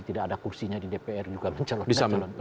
tidak ada kursinya di dpr juga mencalonkan